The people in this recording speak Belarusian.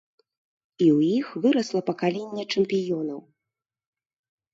І ў іх вырасла пакаленне чэмпіёнаў.